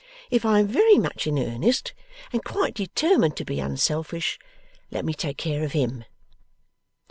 If I am very much in earnest and quite determined to be unselfish, let me take care of HIM.